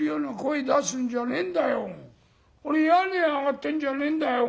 俺屋根上がってんじゃねえんだよ。